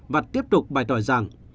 và tiếp tục bày tỏ rằng